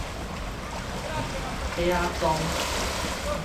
帕仔裝